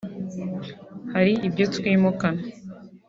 hari ibyo twimukana